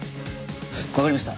わかりました。